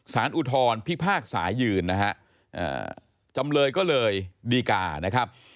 สารอุทรพิพากษายืนจำเลยก็เลยดีการ์